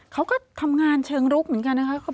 เขาก็ทำงานเชิงลุกเหมือนกันนะคะ